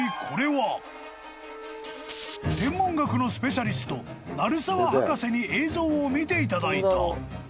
［天文学のスペシャリスト鳴沢博士に映像を見ていただいた］